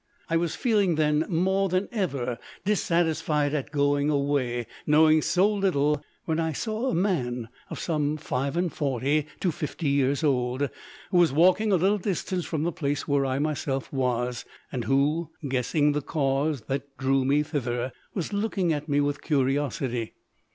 I was feeling, then, more than ever dissatisfied at going away, knowing so little, when I saw a man of some five and forty to fifty years old, who was walking a little distance from the place where I myself was, and who, guessing the cause that drew me thither, was looking at me with curiosity.